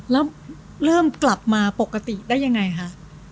แล้วเริ่มกลับมาปกติได้ยังไงคะ